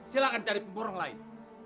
silahkan cari pemborong lain